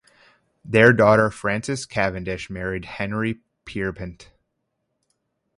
Their daughter Frances Cavendish, married Henry Pierrepont.